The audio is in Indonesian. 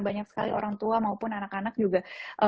banyak sekali orang tua maupun anak anak juga